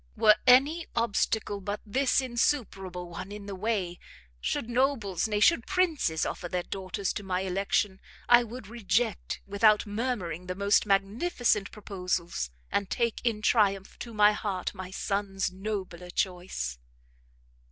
Were any obstacle but this insuperable one in the way, should nobles, nay, should princes offer their daughters to my election, I would reject without murmuring the most magnificent proposals, and take in triumph to my heart my son's nobler choice!"